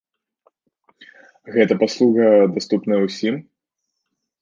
Гэта паслуга даступная ўсім?